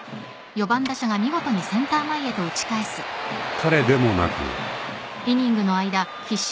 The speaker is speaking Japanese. ［彼でもなく］